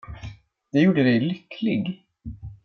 Det gjorde dig lycklig?